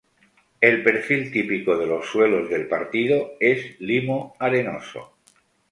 El perfil típico de los suelos del partido es limo arenoso.